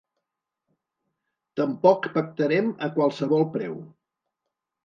Tampoc pactarem a qualsevol preu.